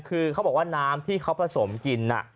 คือเขาบอกว่าน้ำที่เขาผสมกิน